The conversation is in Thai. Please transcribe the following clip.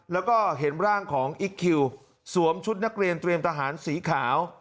แล้วก็เห็นร่างของอิ๊กคิวสวมชุดนักเรียนเตรียมทหารสีขาว